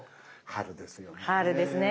春ですね。